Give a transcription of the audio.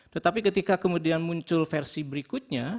tetapi ketika kemudian muncul versi berikutnya